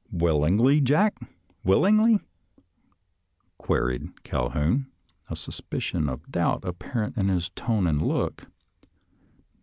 " Willingly, Jack — willingly? " queried Cal houn, a suspicion of doubt apparent in tone and look.